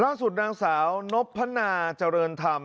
ล่าสุดนางสาวนพนาเจริญธรรม